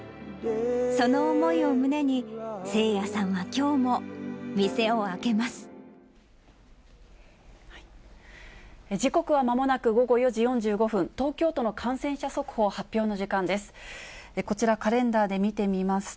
その思いを胸に、時刻はまもなく午後４時４５分、東京都の感染者速報発表の時間です。